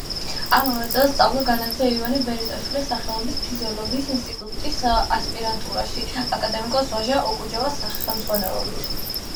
ამავე წელს სწავლა განაგრძო ივანე ბერიტაშვილის სახელობის ფიზიოლოგიის ინსტიტუტის ასპირანტურაში აკადემიკოს ვაჟა ოკუჯავას ხელმძღვანელობით.